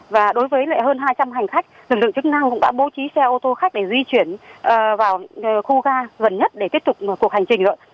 và đối với lại hơn hai trăm linh hành khách lực lượng chức năng cũng đã bố trí xe ô tô khách để di chuyển vào khu ga gần nhất để tiếp tục cuộc hành trình